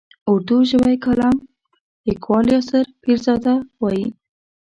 اردو ژبی کالم لیکوال یاسر پیرزاده وايي.